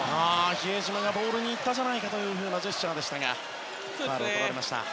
比江島はボールに行ったというジェスチャーでしたがファウルをとられました。